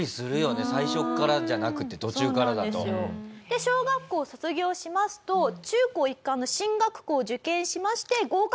で小学校を卒業しますと中高一貫の進学校を受験しまして合格。